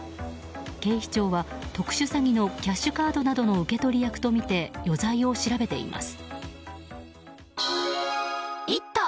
警視庁は特殊詐欺のキャッシュカードなどの受け取り役とみて余罪を調べています。